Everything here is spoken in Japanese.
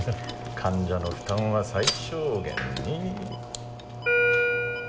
患者の負担は最小限に。